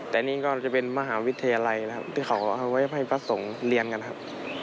แต่นี้ก็จะเป็นมหาวิทยาลัยที่เขาเข้าให้พระพุทธศัสสงฆ์เรียนกันนะครับ